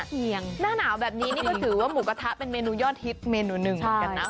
หน้าหนาวแบบนี้นี่ก็ถือว่าหมูกระทะเป็นเมนูยอดฮิตเมนูหนึ่งเหมือนกันนะ